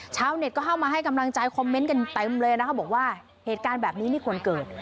ชาวเน็ตก็เข้ามาให้กำลังใจคอมเมนต์กันเต็มเลยนะคะบอกว่าเหตุการณ์แบบนี้ไม่ควรเกิด